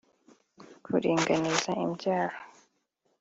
kuringaniza imbyaro